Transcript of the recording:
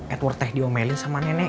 edward teh diomelin sama nenek